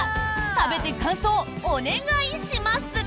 食べて感想、お願いします！